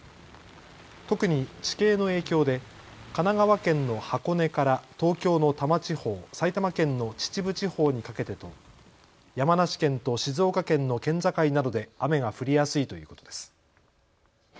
特に地形の影響で神奈川県の箱根から東京の多摩地方、埼玉県の秩父地方にかけてと山梨県と静岡県の県境などで雨が降りやすいということです。